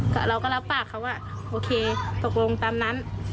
ก็เราก็รับปากเขาว่าโอเคตกลงตามนั้น